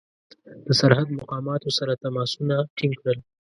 د سرحد مقاماتو سره تماسونه ټینګ کړل.